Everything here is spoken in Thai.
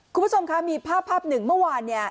คุณผู้ชมค่ะมีภาพ๑เมื่อวานเนี้ย